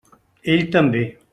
Ell també.